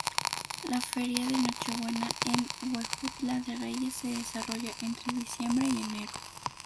La Feria de Nochebuena en Huejutla de Reyes se desarrolla entre diciembre y enero.